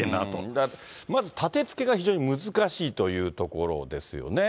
だから立てつけが非常に難しいというところですよね。